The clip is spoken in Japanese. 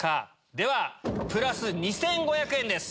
ではプラス２５００円です。